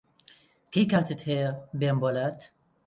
کەی کاتت هەیە بێم بۆلات؟